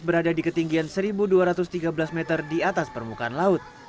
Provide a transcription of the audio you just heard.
berada di ketinggian satu dua ratus tiga belas meter di atas permukaan laut